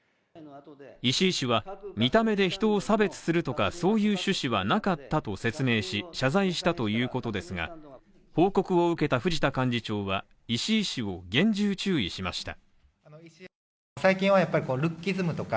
石井氏は見た目で人を差別するとかそういう趣旨はなかったと説明し、謝罪したということですが、報告を受けた藤田幹事長は石井氏を厳重注意しました。